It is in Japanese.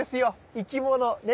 生き物ね